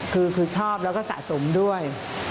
คือชอบแล้วก็สะสมด้วย